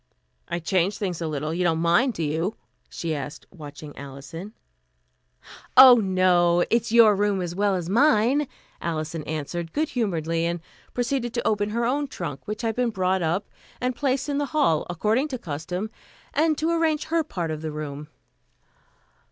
"I changed things a little. You don't mind, do you?" she asked, watching Alison. "Oh, no, it's your room as well as mine," Alison answered good humoredly, and proceeded to open her own trunk, which had been brought up and placed in the hall, according to custom, and to arrange her part of the room.